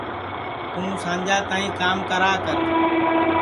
توں سانجا تائی کام کرا کر